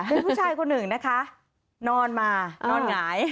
เป็นผู้ชายคนหนึ่งนะคะนอนมานอนหงาย